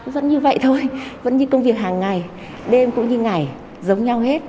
vẫn như vậy thôi vẫn như công việc hàng ngày đêm cũng như ngày giống nhau hết